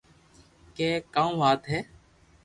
ڪي ڪاو وات ھي